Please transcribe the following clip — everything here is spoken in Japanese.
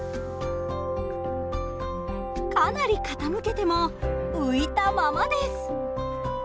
かなり傾けても浮いたままです。